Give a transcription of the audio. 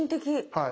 はい。